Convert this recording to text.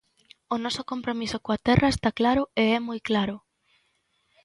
O noso compromiso coa terra está claro e é moi claro.